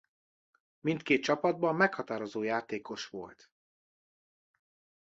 Mindkét csapatban meghatározó játékos volt.